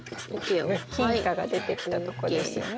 金貨が出てきたとこですよね。